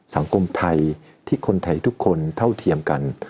สังคมไทยที่คนไทยทุกคนเท่าเทียมกัน